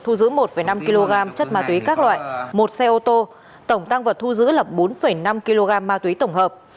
thu giữ một năm kg chất ma túy các loại một xe ô tô tổng tăng vật thu giữ là bốn năm kg ma túy tổng hợp